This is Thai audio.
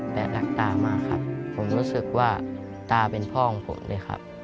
แต่รักตามากครับผมรู้สึกว่าตาเป็นพ่อของผมเลยครับ